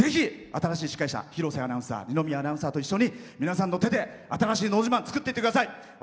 ぜひ、新しいアナウンサー廣瀬アナウンサー二宮アナウンサーと一緒に皆さんの手で新しい「のど自慢」作っていってください。